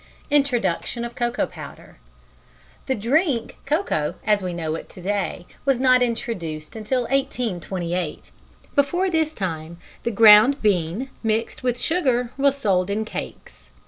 Introduction of Cocoa Powder. The drink "cocoa" as we know it to day was not introduced until 1828. Before this time the ground bean, mixed with sugar, was sold in cakes.